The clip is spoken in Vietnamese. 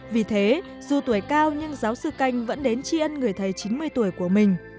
vì thế dù tuổi cao nhưng giáo sư canh vẫn đến tri ân người thầy chín mươi tuổi của mình